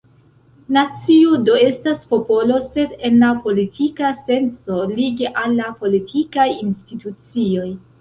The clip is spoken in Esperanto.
Nacio do estas popolo, sed en la politika senco, lige al la politikaj institucioj.